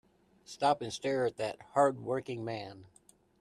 Stop and stare at the hard working man.